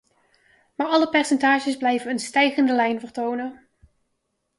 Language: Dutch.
Maar alle percentages blijven een stijgende lijn vertonen.